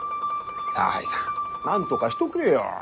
差配さんなんとかしとくれよ。